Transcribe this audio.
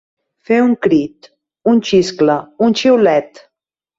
Fer un crit, un xiscle, un xiulet.